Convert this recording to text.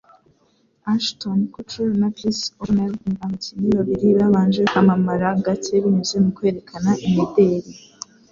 Ashton Kutcher na Chris O'Donnell ni abakinnyi babiri babanje kwamamara gake binyuze mu kwerekana imideli.